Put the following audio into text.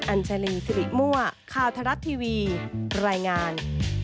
อันเจลีสิริมัวข้าวทรัศน์ทีวีรายงาน